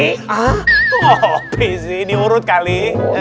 ngopi sih ini urut kali